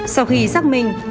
sau khi xác minh